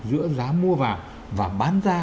giữa giá mua vàng và bán ra